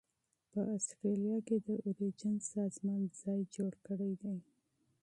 په اسټرالیا کې د اوریجن سازمان ځای جوړ کړی دی.